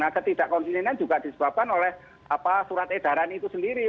nah ketidakkonsilinan juga disebabkan oleh surat edaran itu sendiri